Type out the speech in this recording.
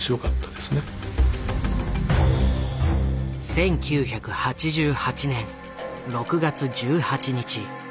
１９８８年６月１８日。